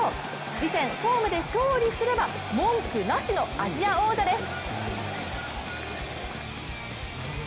次戦、ホームで勝利すれば文句なしのアジア王者です。